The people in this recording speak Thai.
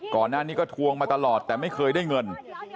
ก่อนหน้านี้ก็ทวงมาตลอดแต่ไม่เคยได้เงิน